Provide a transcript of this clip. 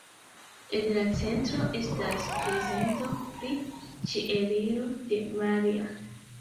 En la centro estas prezento pri Ĉieliro de Maria.